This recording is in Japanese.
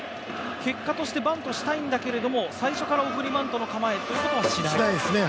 結果としてバントしたいんだけれども最初から送りバントの構えはしないと。